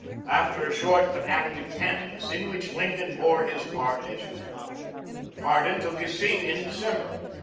] after a short but active canvass, in which Lincoln bore his part as usual. Hardin took his seat in December.